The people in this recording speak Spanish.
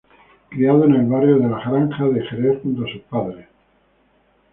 Criado en el barrio de La Granja de Jerez junto sus padres.